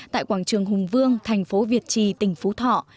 tại quảng trường hùng vương thành phố việt trì tỉnh phú thọ